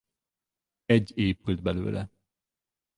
Egy épült belőle.